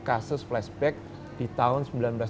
kasus flashback di tahun